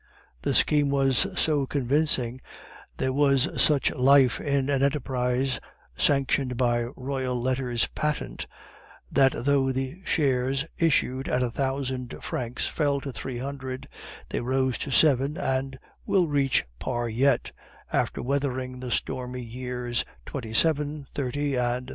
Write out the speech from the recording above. The scheme was so convincing, there was such life in an enterprise sanctioned by royal letters patent, that though the shares issued at a thousand francs fell to three hundred, they rose to seven and will reach par yet, after weathering the stormy years '27, '30, and '32.